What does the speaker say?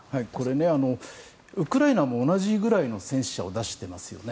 ウクライナも同じくらいの戦死者を出してますよね。